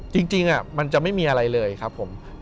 จริงมันจะไม่มีอะไรเลยครับผม